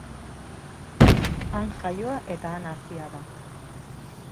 Han jaioa eta han hazia da.